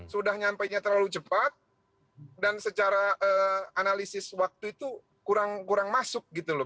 sudah nyampenya terlalu cepat dan secara analisis waktu itu kurang masuk gitu loh